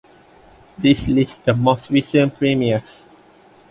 This lists the most recent premiers.